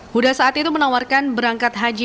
huda saat itu menawarkan berangkat haji